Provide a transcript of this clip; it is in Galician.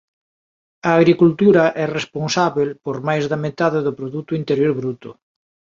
A agricultura é responsábel por máis da metade do produto interior bruto.